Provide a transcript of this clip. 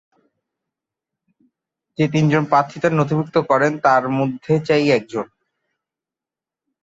যে তিনজন প্রার্থীতা নথিভুক্ত করেন তাদের মধ্যে চাই একজন।